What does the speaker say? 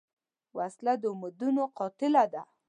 وسله د امیدونو قاتله ده